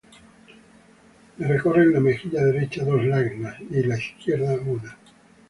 Le recorren la mejilla derecha dos lágrimas, y la izquierda una.